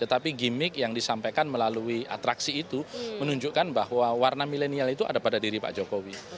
tetapi gimmick yang disampaikan melalui atraksi itu menunjukkan bahwa warna milenial itu ada pada diri pak jokowi